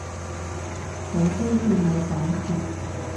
佢欺騙你感情